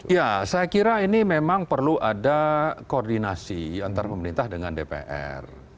ya saya kira ini memang perlu ada koordinasi antara pemerintah dengan dpr